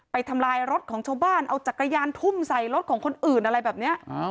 ทำลายรถของชาวบ้านเอาจักรยานทุ่มใส่รถของคนอื่นอะไรแบบนี้